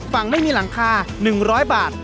ฝั่งไม่มีหลังคา๑๐๐บาท